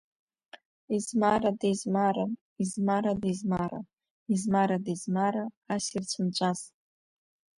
Измарада измара, измарада измара, измарада измара, ас ирцәынҵәаз?